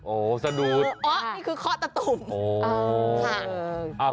โอ้สะดุดค่ะอ๋อนี่คือข้อตะตุ่มค่ะอ๋อ